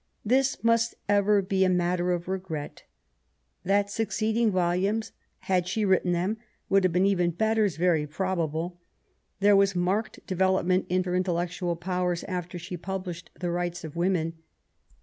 This must ever be a matter of regret. That succeeding volumes, had she written them, would have been even better is very probable. There was marked development in her intellectual powers after she published the Rights of Women.